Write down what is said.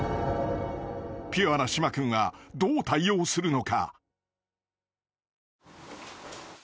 ［ピュアな島君はどう対応するのか？］